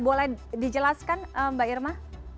boleh dijelaskan mbak irma